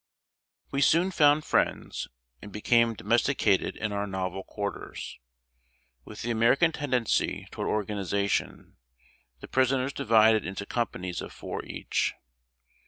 ] We soon found friends, and became domesticated in our novel quarters. With the American tendency toward organization, the prisoners divided into companies of four each.